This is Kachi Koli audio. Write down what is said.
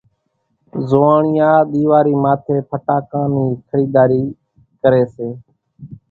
زوئاڻيا ۮيواري ماٿي ڦٽاڪان نِي خريڌاري ڪري سي ،